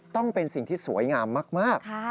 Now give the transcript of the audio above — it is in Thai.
ต้องเป็นสิ่งที่สวยงามมาก